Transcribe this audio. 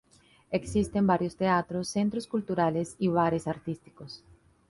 Existen varios teatros, centros culturales y bares artísticos.